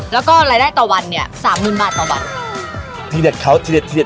แล้วก็รายได้ต่อวันซ้ำหมึนบาทต่อวัน